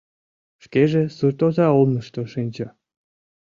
Шкеже суртоза олмышто шинча.